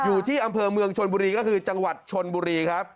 อยู่ที่อำเภอเมืองชนบุรีก็คือจังหวัดชนบุรีครับ